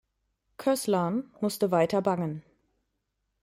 Kößlarn musste weiter bangen.